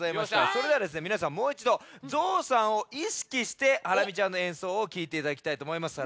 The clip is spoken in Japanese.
それではですねみなさんもういちど「ぞうさん」をいしきしてハラミちゃんのえんそうをきいていただきたいとおもいます。